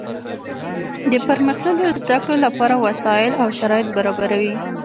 د پرمختللو زده کړو له پاره وسائل او شرایط برابروي.